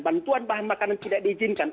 bantuan bahan makanan tidak diizinkan